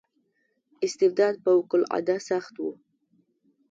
استبداد فوق العاده سخت و.